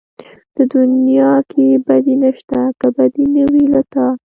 په دنيا کې بدي نشته که بدي نه وي له تا